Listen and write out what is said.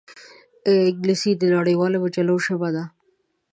انګلیسي د نړیوالو مجلو ژبه ده